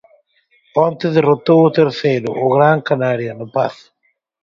Onte derrotou o terceiro, o Gran Canaria, no Pazo.